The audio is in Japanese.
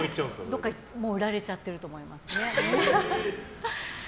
どこか売られちゃってると思いますね。